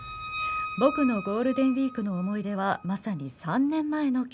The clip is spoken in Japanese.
僕のゴールデンウィークの思い出はまさに３年前の今日。